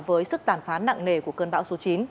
với sức tàn phán nặng nề của cơn bão số chín